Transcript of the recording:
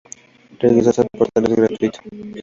Registrarse al portal es gratuito.